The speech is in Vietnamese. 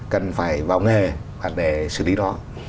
cần phải vào nghề để xử lý nó